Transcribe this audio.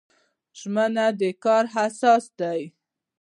ژمنه د کار اساس دی